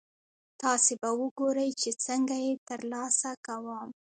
تاسې به ګورئ چې څنګه یې ترلاسه کوم.